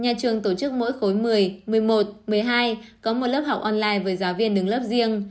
nhà trường tổ chức mỗi khối một mươi một mươi một một mươi hai có một lớp học online với giáo viên đứng lớp riêng